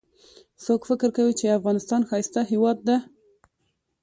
څوک فکر کوي چې افغانستان ښایسته هیواد ده